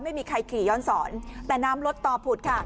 ไม่มีใครขี่ย้อนสอนแต่น้ำรถต่อผุดค่ะ